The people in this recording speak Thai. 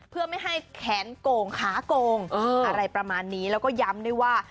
เพื่อไม่ให้แขนโก่งขาโกงอะไรประมาณนี้แล้วก็ย้ำด้วยว่า